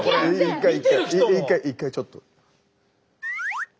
一回一回ちょっと。